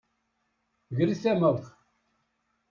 Gret tamawt!